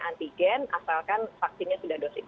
antigen asalkan vaksinnya sudah dosis